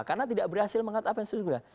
karena tidak berhasil mengangkat apa yang sudah